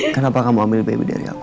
kenapa kamu ambil pib dari aku